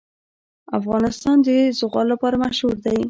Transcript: افغانستان د زغال لپاره مشهور دی.